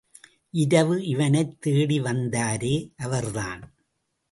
இரவு இவனைத் தேடி வந்தாரே அவர்தான்!